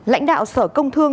lãnh đạo sở công thương tp hcm